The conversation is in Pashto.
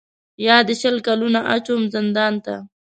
یا دي شل کلونه اچوم زندان ته